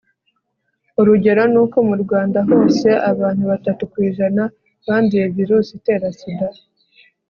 urugero ni uko mu rwanda hose abantu batatu ku ijana banduye virusi itera sida